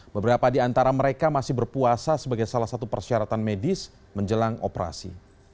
beberapa di antara mereka masih berpuasa sebagai salah satu persyaratan medis menjelang operasi